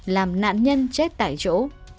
làm nạn nhân chết tại chỗ